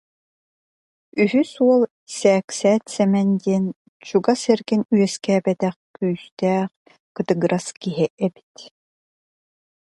Үһүс уол Сээксээт Сэмэн диэн чугас эргин үөскээбэтэх күүстээх, кытыгырас киһи эбит